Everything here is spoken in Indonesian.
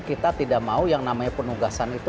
kita tidak mau yang namanya penugasan itu